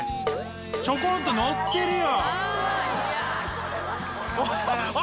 「ちょこんと乗ってるよ」